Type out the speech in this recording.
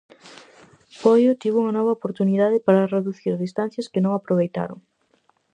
Poio tivo unha nova oportunidade para reducir distancias que non aproveitaron.